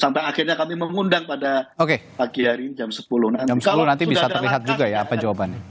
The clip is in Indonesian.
sampai akhirnya kami mengundang pada pagi hari ini jam sepuluh nanti